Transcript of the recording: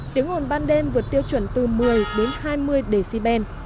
tiếng ồn ban đêm vượt tiêu chuẩn từ một mươi đến hai mươi db